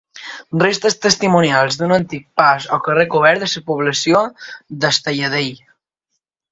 Restes testimonials d'un antic pas o carrer cobert de la població del Talladell.